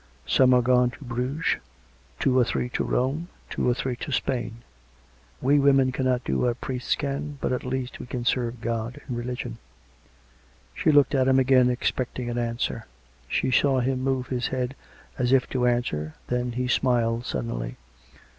Some are gone to Bruges; two or three to Rome; two or three more to Spain. We women cannot do what priests can, but, at least, we can serve God in Religion." She looked at him again, expecting an answer. She saw him move his head, as if to answer. Then he smiled sud denly.